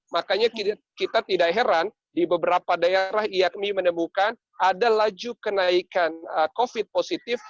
jadi kita tidak heran di beberapa daerah iakmi menemukan ada laju kenaikan covid positif